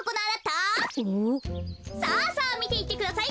さあさあみていってください。